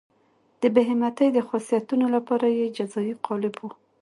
د بې همتۍ د خاصیتونو لپاره یې جزایي قالب وو.